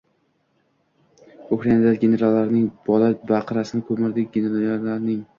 Ukrainada generallarning bola-baqrasini ko‘mdik, generallarning!